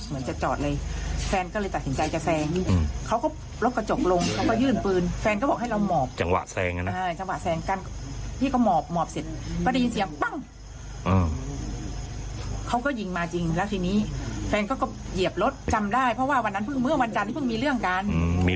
มีเรื่องอะไรกันครับพี่